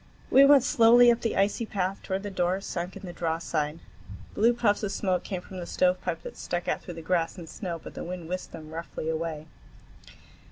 We went slowly up the icy path toward the door sunk in the drawside. Blue puffs of smoke came from the stovepipe that stuck out through the grass and snow, but the wind whisked them roughly away.